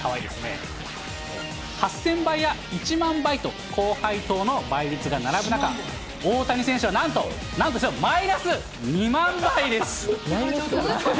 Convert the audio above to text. ８０００倍や１万倍と、高配当の倍率が並ぶ中、大谷選手はなんと、なんとですよ、マイナス２万倍です。